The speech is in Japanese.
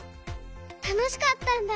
たのしかったんだ。